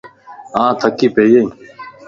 آن ٿڪي پئي ائين